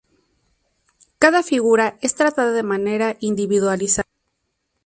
Cada figura es tratada de manera individualizada.